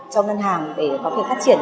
cho ngân hàng để có thể phát triển